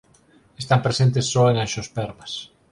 Están presentes só en anxiospermas.